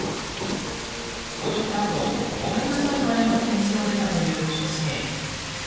踊ったあとごめんなさいと謝って店を出たという女性。